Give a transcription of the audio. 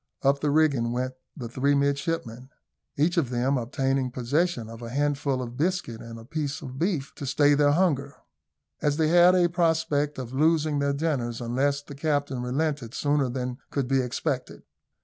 Up the rigging went the three midshipmen, each of them obtaining possession of a handful of biscuit and a piece of beef to stay their hunger, as they had a prospect of losing their dinners unless the captain relented sooner than could be expected.